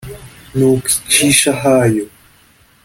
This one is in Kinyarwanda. ni uko icisha ahayo